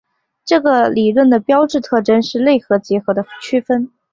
这个理论的标志特征是类和集合的区分。